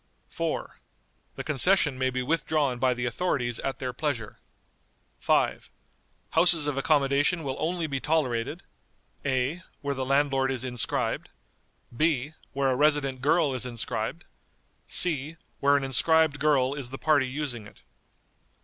"4. The concession may be withdrawn by the authorities at their pleasure." "5. Houses of accommodation will only be tolerated, (a.) where the landlord is inscribed; (b.) where a resident girl is inscribed; (c.) where an inscribed girl is the party using it."